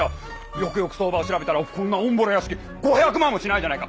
よくよく相場を調べたらこんなオンボロ屋敷５００万もしないじゃないか。